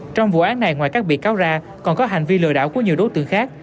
trong vụ án này ngoài các bị cáo ra còn có hành vi lừa đảo của nhiều đối tượng khác